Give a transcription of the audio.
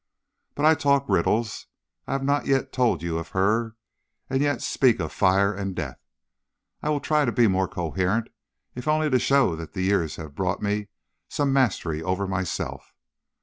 "But I talk riddles. I have not yet told you of her; and yet speak of fire and death. I will try to be more coherent, if only to show that the years have brought me some mastery over myself.